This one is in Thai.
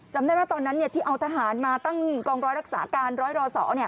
จำได้ไหมตอนนั้นที่เอาทหารมาตั้งกองร้อยรักษาการร้อยรอสอ